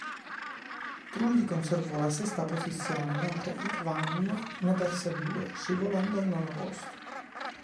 Trulli conservò la sesta posizione, mentre Irvine ne perse due, scivolando al nono posto.